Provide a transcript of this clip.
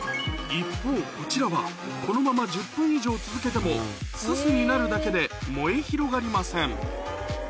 一方こちらはこのまま１０分以上続けてもすすになるだけで燃え広がりません